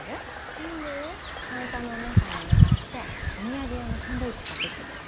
いいよカウンターのお姉さんにお願いしてお土産用のサンドイッチ買ってきてくれる？